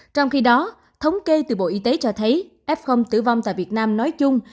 trong khi đó thống kê từ bộ y tế cho thấy f tử vong tại việt nam nói chung